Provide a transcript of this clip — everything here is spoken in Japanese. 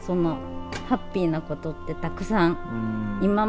ハッピーなことってたくさん今までも。